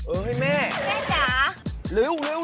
เออเฮ้ยแม่ลิ้วว้าว